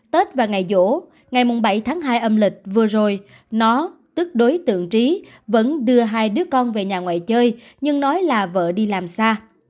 tết và ngày vỗ ngày bảy tháng hai âm lịch vừa rồi nó tức đối tượng trí vẫn đưa hai đứa con về nhà ngoài chơi nhưng nói là vợ đi làm xa